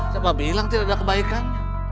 siapa bilang tidak ada kebaikan